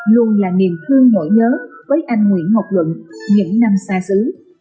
luôn là niềm thương nổi nhớ với anh nguyễn ngọc luận những năm xa xứ